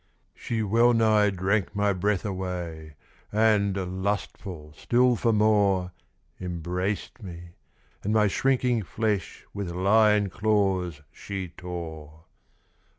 She well nigh drank my breath away; And, lustful still for more, Embraced me, and my shrinking flesh With lion claws she tore.